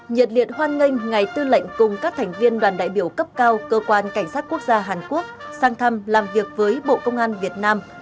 nhiệt liệt hoan nghênh ngài tư lệnh cùng các thành viên đoàn đại biểu cấp cao cơ quan cảnh sát quốc gia hàn quốc sang thăm làm việc với bộ công an việt nam